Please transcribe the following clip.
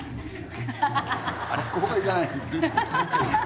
ここはいらない？